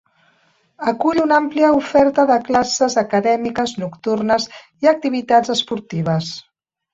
Acull una àmplia oferta de classes acadèmiques nocturnes i activitats esportives.